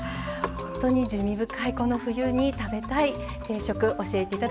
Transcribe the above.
本当に滋味深いこの冬に食べたい定食教えて頂きました。